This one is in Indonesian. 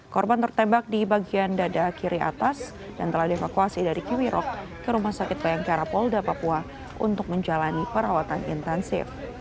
korban tertembak di bagian dada kiri atas dan telah dievakuasi dari kiwirok ke rumah sakit bayangkara polda papua untuk menjalani perawatan intensif